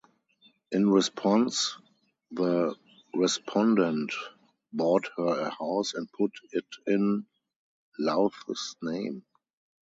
In response, the Respondent bought her a house and put it in Louth's name.